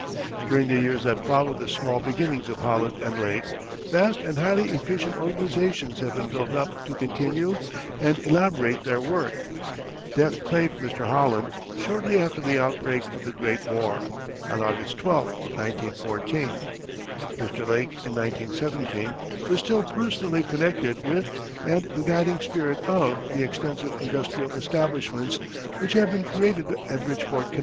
During the years that followed the small beginnings of Holland and Lake, vast and highly efficient organizations have been built up to continue and elaborate their work. Death claimed Mr. Holland shortly after the outbreak of the great war, on August 12, 1914. Mr. Lake in 1917 was still personally connected with and the guiding spirit of the extensive industrial establishments which have been created at Bridgeport, Conn.